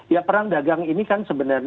ya perang dagang ini kan sebenarnya